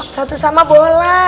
satu sama bola